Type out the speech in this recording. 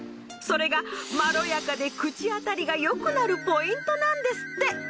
それがまろやかで口当たりがよくなるポイントなんですって。